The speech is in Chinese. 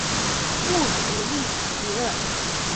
莫尔维利耶尔。